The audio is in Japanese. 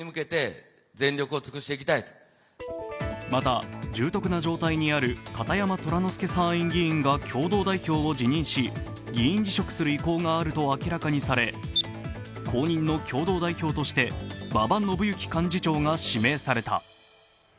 また重篤な状態にある片山虎之助参院議員が共同代表を辞任し、議員辞職する意向があると明らかにされ後任の共同代表として馬場伸幸幹事長が指名された。